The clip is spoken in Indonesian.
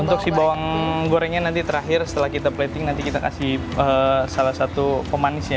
untuk si bawang gorengnya nanti terakhir setelah kita plating nanti kita kasih salah satu pemanisnya